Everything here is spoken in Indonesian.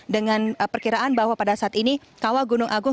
dengan perkiraan bahwa pada saat ini kawah gunung agung